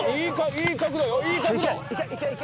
いい角度よ。